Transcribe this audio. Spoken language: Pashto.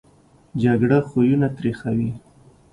جګړه خویونه تریخوي